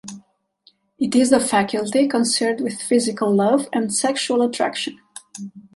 It is the faculty concerned with physical love and sexual attraction.